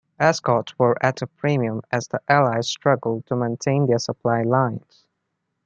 Escorts were at a premium as the Allies struggled to maintain their supply lines.